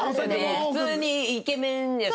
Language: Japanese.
普通にイケメンやし。